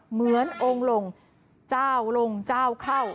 เหมือนองค์ลงเจ้าลงเจ้าเข้า